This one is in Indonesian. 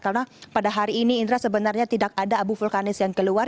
karena pada hari ini indera sebenarnya tidak ada abu vulkanik yang keluar